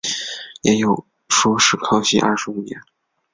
也有说是康熙廿五年。